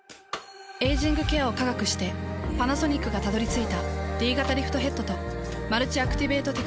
エイジングケアを科学してパナソニックがたどり着いたＤ型リフトヘッドとマルチアクティベートテクノロジー。